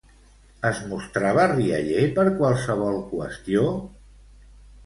Es mostrava rialler per qualsevol qüestió?